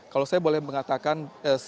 kalau saya boleh mengatakan